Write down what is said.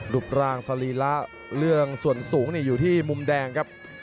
รูปร่างสรีระเรื่องส่วนสูงอยู่ที่มุมแดงครับ